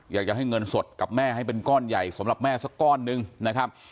อยากจะให้เงินสดกับแม่ให้เป็นก้อนใหญ่สำหรับแม่สักก้อนหนึ่งนะครับ